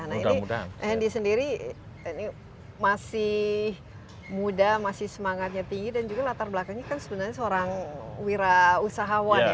nah ini hendy sendiri ini masih muda masih semangatnya tinggi dan juga latar belakangnya kan sebenarnya seorang wira usahawan ya